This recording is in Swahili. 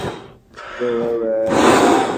Tarakilishi yake imevunjika.